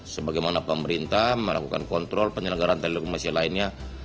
sebagaimana pemerintah melakukan kontrol penyelenggaraan televisi lainnya